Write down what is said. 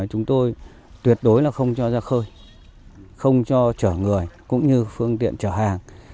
chúng tôi tuyệt đối là không cho ra khơi không cho chở người cũng như phương tiện chở hàng